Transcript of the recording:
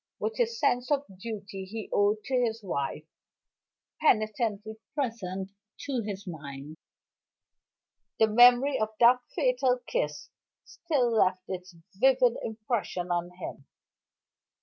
With his sense of the duty he owed to his wife penitently present to his mind, the memory of that fatal kiss still left its vivid impression on him.